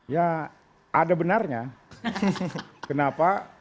ya ada benarnya kenapa